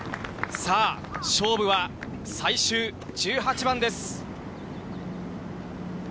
さあ、勝負は最終１８番です。